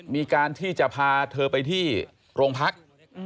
มีการที่จะพาเธอไปที่โรงพัก